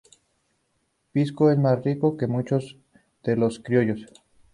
Pisco “es más rico que muchos de los criollos.